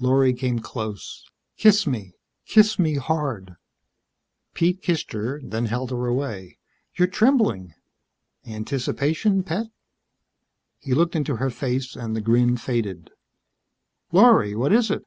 Lorry came close. "Kiss me. Kiss me hard." Pete kissed her, then held her away. "You're trembling. Anticipation, pet?" He looked into her face and the grin faded. "Lorry, what is it?"